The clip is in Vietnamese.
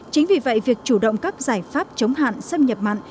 chính vì vậy việc chủ động các giải pháp chống hạn xâm nhập mặn